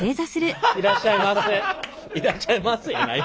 「いらっしゃいませ」やない。